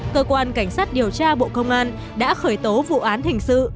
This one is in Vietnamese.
cơ quan cảnh sát điều tra bộ công an đã khởi tố vụ án hình sự